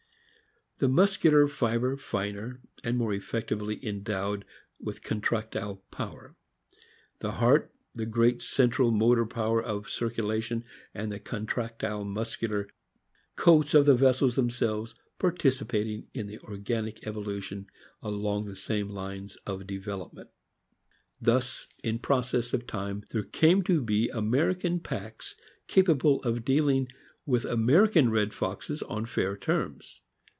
The muscular fiber finer, and more effectively endowed with contractile power. The heart — the great central motor power of the circulation — and the contractile muscular coats of the vessels themselves participating in the organic evolution along the same lines of development. Thus, in process of time, there came to be American packs capable of dealing with American red foxes on fair terms.